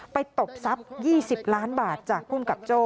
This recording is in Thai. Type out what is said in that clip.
ตบทรัพย์๒๐ล้านบาทจากภูมิกับโจ้